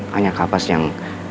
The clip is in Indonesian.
hanya kapas yang